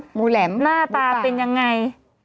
หมูแหลมนิมป่ะหน้าตาเป็นยังไง